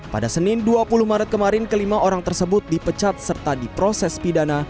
pada senin dua puluh maret kemarin kelima orang tersebut dipecat serta diproses pidana